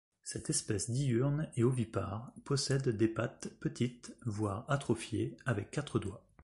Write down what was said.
Cette espèce diurne et ovipare possède des pattes petites voire atrophiées avec quatre doigts.